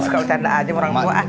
lo suka bercanda aja sama orang tua ah